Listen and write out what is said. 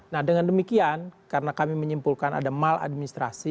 nah dengan demikian karena kami menyimpulkan ada mal administrasi